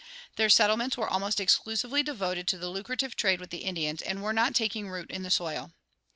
Their settlements were almost exclusively devoted to the lucrative trade with the Indians and were not taking root in the soil.